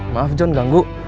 maaf john ganggu